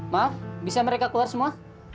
maaf bisa mereka keluar semua